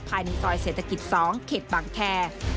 ภายในซอยเศรษฐกิจ๒เขตบางแคร์